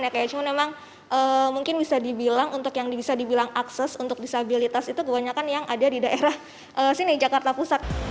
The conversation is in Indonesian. kayak cuma memang mungkin bisa dibilang untuk yang bisa dibilang akses untuk disabilitas itu kebanyakan yang ada di daerah sini jakarta pusat